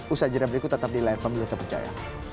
usai jedah berikut tetap di lain pembeli terpercaya